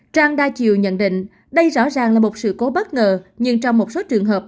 trang đa chiều nhận định đây rõ ràng là một sự cố bất ngờ nhưng trong một số trường hợp